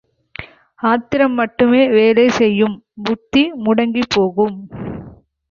ஆத்திரம் மட்டுமே வேலை செய்யும் புத்தி முடங்கிப் போகும்.